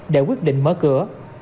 để quyết định mở cửa